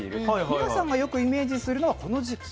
皆さんがよくイメージするのはこの時期。